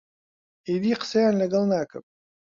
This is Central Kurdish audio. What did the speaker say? ئیدی قسەیان لەگەڵ ناکەم.